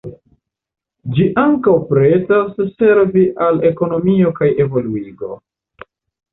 Ĝi ankaŭ pretas servi al ekonomio kaj evoluigo.